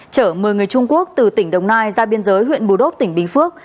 trở một mươi người trung quốc từ tỉnh đồng nai ra biên giới huyện bù đốt tỉnh bình phước